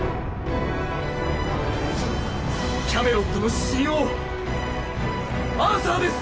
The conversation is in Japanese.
キャメロットの新王アーサーです！